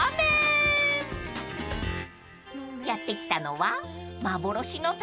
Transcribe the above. ［やって来たのは］